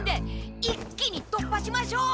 一気にとっぱしましょう！